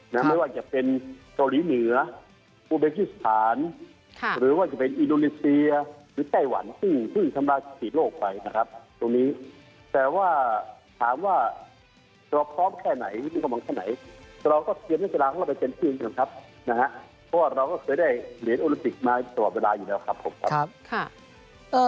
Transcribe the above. ไม่ว่าจะเป็นเกาหลีเหนือ